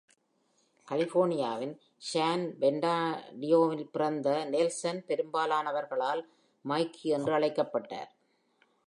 கலிபோர்னியாவின் San Bernardino-வில் பிறந்த Neilan, பெரும்பாலானவர்களால் Mickey என்று அழைக்கப்பட்டார்.